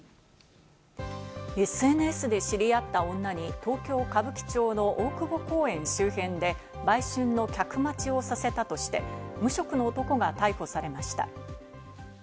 ＳＮＳで知り合った女に、東京・歌舞伎町の大久保公園周辺で売春の客待ちをさせたとして無職の男が逮捕されました。